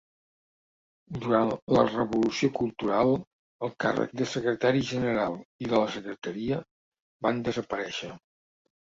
Durant la Revolució Cultural, el càrrec de secretari general i de la Secretaria van desaparèixer.